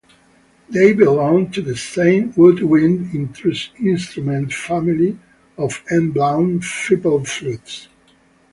They belong to the same woodwind instrument family of end-blown fipple flutes.